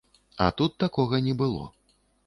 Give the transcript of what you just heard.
А тут такога не было.